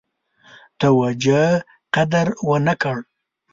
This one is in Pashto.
توجه قدر ونه کړه.